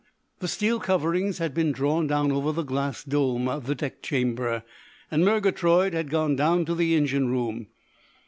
The steel coverings had been drawn down over the glass dome of the deck chamber, and Murgatroyd had gone down to the engine room.